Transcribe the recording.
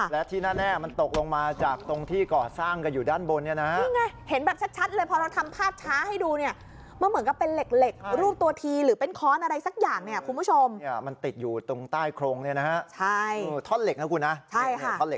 สวยจังเลยครับอะไรอ่ะอุ้ย